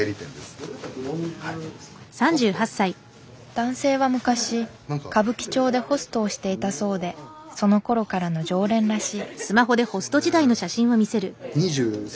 男性は昔歌舞伎町でホストをしていたそうでそのころからの常連らしい。